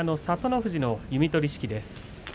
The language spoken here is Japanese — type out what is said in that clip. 富士の弓取式です。